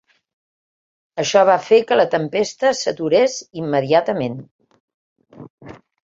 Això va fer que la tempesta s’aturés immediatament.